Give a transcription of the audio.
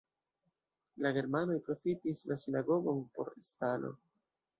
La germanoj profitis la sinagogon por stalo.